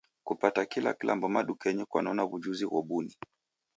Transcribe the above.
Kupata kila kilambo madukenyi kwanona w'ujuzi ghobuni